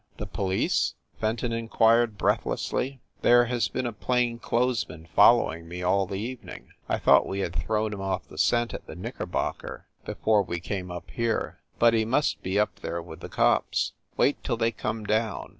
"The police ?" Fenton inquired breathlessly. "There has been a plain clothes man following me all the evening. I thought we had thrown him off the scent at the Knickerbocker, before we came up here. But he must be up there with the cops. Wait till they come down."